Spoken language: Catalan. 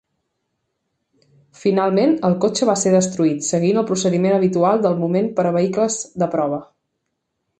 Finalment, el cotxe va ser destruït, seguint el procediment habitual del moment per a vehicles de prova.